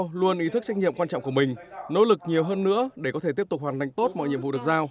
tôi luôn ý thức trách nhiệm quan trọng của mình nỗ lực nhiều hơn nữa để có thể tiếp tục hoàn thành tốt mọi nhiệm vụ được giao